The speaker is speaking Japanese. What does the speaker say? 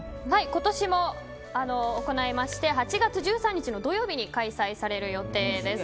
今年も行いまして８月１３日の土曜日に開催される予定です。